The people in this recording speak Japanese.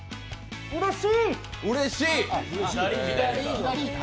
うれしい！